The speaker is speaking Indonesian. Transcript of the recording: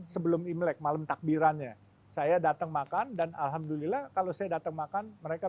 sebelum imlek malam takbirannya saya datang makan dan alhamdulillah kalau saya datang makan mereka